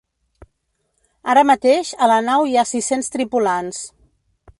Ara mateix, a la nau hi ha sis-cents tripulants.